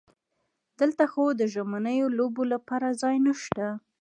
دلته خو د ژمنیو لوبو لپاره ځای نشته.